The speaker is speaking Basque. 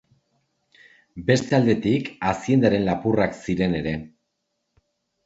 Beste aldetik aziendaren lapurrak ziren ere.